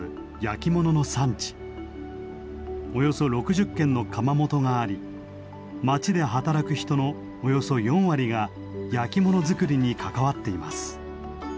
およそ６０軒の窯元があり町で働く人のおよそ４割が焼き物作りに関わっています。